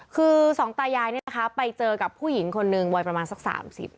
คือสองตายายเนี่ยนะคะไปเจอกับผู้หญิงคนหนึ่งวัยประมาณสัก๓๐